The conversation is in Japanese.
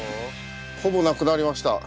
ほぼなくなりました。